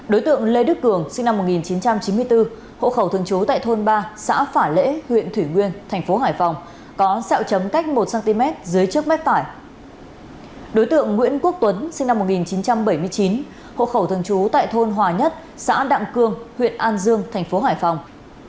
đối tượng nguyễn quốc tuấn sinh năm một nghìn chín trăm bảy mươi chín hộ khẩu thường trú tại thôn hòa nhất xã đạng cương huyện an dương tp hải phòng